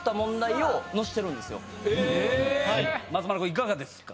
松丸君いかがですか？